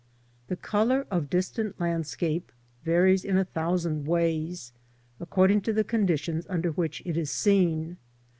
THE colour of distant landscape varies in a thousand ways, according to the conditions under which it is seen.